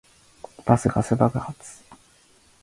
バスガス爆発